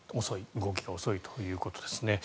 動きが遅いということですね。